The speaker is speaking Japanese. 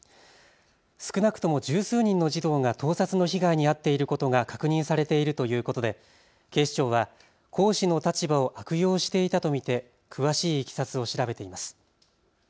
少なくとも十数人の児童が盗撮の被害に遭っていることが確認されているということで警視庁は講師の立場を悪用していたと見て詳しいいきさつを調べています。